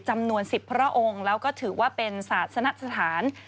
จำนวน๑๐พระองค์แล้วก็ถือว่าเป็นศาสนสถาน